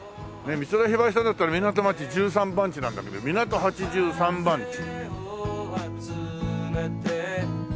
美空ひばりさんだったら『港町十三番地』なんだけど港八十三番地。